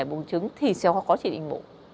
bùng trứng thì sẽ có chỉ định mụ